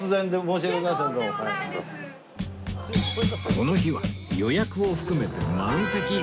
この日は予約を含めて満席